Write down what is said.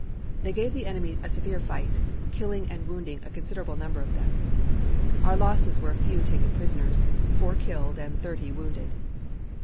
They gave the enemy a severe fight, killing and wounding a considerable number of them. Our losses were a few taken prisoners, four killed and thirty wounded.